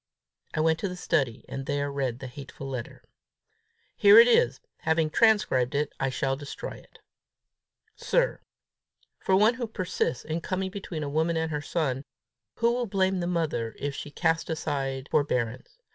I went to the study, and there read the hateful letter. Here it is. Having transcribed it, I shall destroy it. "Sir, For one who persists in coming between a woman and her son, who will blame the mother if she cast aside forbearance!